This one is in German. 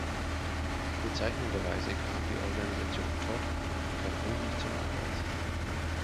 Bezeichnenderweise kam die Organisation Todt in Kaprun nicht zum Einsatz.